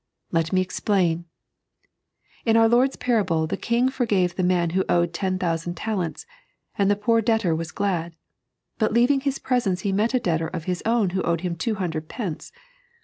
Let me explain ! In our Lord's parable the king forgave the man who owed ten thousand talents, and the poor debtor w.ts glad ; but leaving hie presence he met a debtor of his own who owed him two hundred pence.